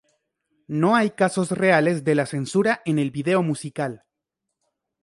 No hay casos reales de la censura en el vídeo musical.